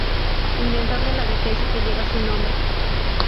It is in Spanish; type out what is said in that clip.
Inventor de la Defensa que lleva su nombre.